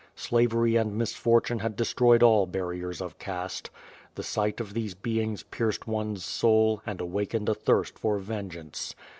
Slavery and misfortune had destroyed all bariers of caste. The sight of these beings pierced one's soul, and awakened a thirst for vengeance.